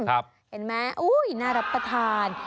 เห็นไหมน่ารับประทาน